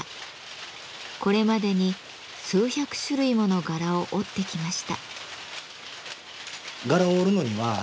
これまでに数百種類もの柄を織ってきました。